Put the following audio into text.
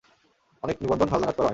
অনেক নিবন্ধ হালনাগাদ করা হয়নি।